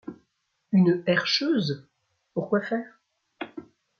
Une herscheuse, pourquoi faire ?